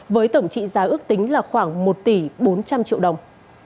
với tổng trị giá ước tính là khoảng một tỷ bốn trăm linh triệu đồng